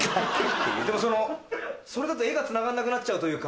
でもそのそれだと画がつながらなくなっちゃうというか。